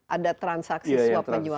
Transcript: ada transaksi suap menyuap